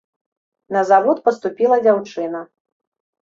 На завод паступіла дзяўчына.